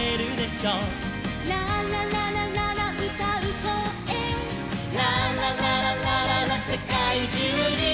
「ララランランララうたうこえ」「ララランランラララせかいじゅうに」